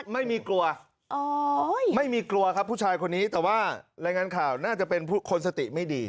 ไม่มีกลัวไม่มีกลัวครับผู้ชายคนนี้แต่ว่ารายงานข่าวน่าจะเป็นคนสติไม่ดี